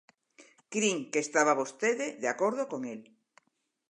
Crin que estaba vostede de acordo con el.